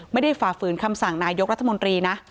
ไม่ได้ฝ่าฝืนคำสั่งนายยกรัฐมนตรีนะ